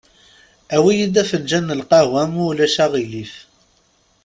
Awi-yi-d afenǧal n lqehwa, ma ulac aɣilif.